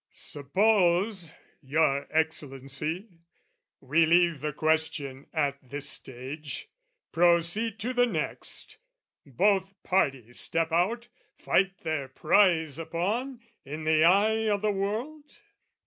Suppose, your Excellency, we leave The question at this stage, proceed to the next, Both parties step out, fight their prize upon, In the eye o' the world?